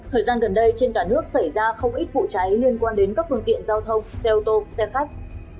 thời gian gần đây trên cả nước xảy ra không ít vụ cháy liên quan đến các phương tiện giao thông xe ô tô xe khách